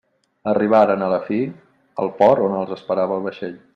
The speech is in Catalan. Arribaren, a la fi, al port on els esperava el vaixell.